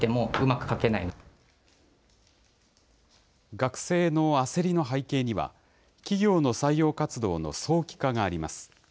学生の焦りの背景には、企業の採用活動の早期化があります。